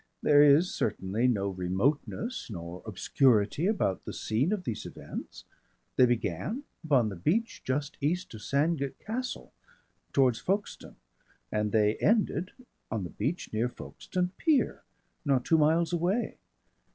There is certainly no remoteness nor obscurity about the scene of these events. They began upon the beach just east of Sandgate Castle, towards Folkestone, and they ended on the beach near Folkestone pier not two miles away.